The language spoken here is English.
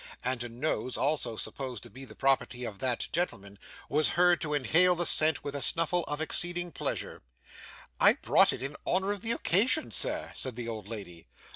and a nose, also supposed to be the property of that gentleman, was heard to inhale the scent with a snuffle of exceeding pleasure. 'I brought it in honour of the occasion, Sir,' said the old lady.